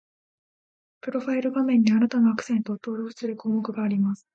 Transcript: プロファイル画面に、あなたのアクセントを登録する項目があります